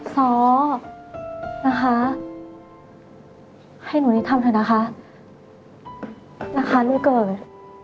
สอบนะคะให้หนูนิดทำเถอะนะคะนะคะลูกเกิร์ต